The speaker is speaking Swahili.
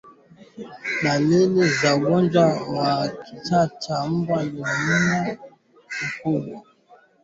Dalili za ugonjwa wa kichaa cha mbwa ni mnyama kujaribu kutoa sauti bila mafanikio